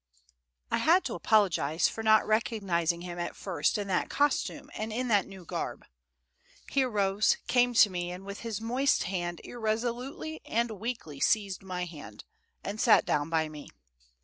I had to apologize for not recognizing him at first in that costume and in that new garb. He arose, came to me, and with his moist hand irresolutely and weakly seized my hand, and sat down by me.